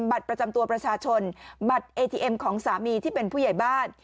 บัตรประจำตัวประชาชนบัตรเอทีเอ็มของสามีที่เป็นผู้ใหญ่บ้าน